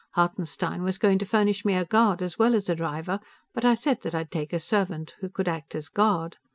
Hartenstein was going to furnish me a guard as well as a driver, but I said that I would take a servant, who could act as guard.